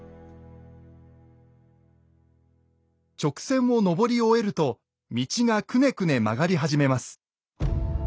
直線をのぼり終えると道がくねくね曲がり始めます。